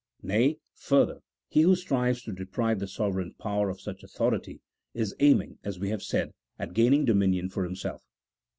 Nay, further, he who strives to deprive the sove reign power of such authority, is aiming (as we have said), at gaining dominion for himself.